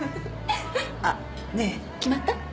あっねえ決まった？